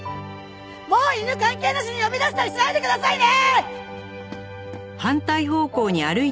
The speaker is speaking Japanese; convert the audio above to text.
もう犬関係なしに呼び出したりしないでくださいね！